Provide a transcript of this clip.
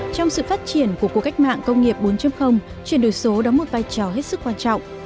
trong sự phát triển của cuộc cách mạng công nghiệp bốn chuyển đổi số đóng một vai trò hết sức quan trọng